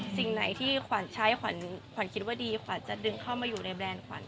สิ่งไหนที่ขวัญใช้ขวัญขวัญคิดว่าดีขวัญจะดึงเข้ามาอยู่ในแบรนด์ขวัญ